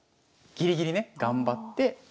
ギリギリね頑張って。